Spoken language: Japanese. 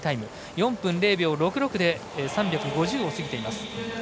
４分０秒６６で３５０を過ぎています。